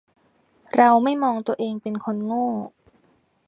เราไม่มองตัวเองเป็นคนโง่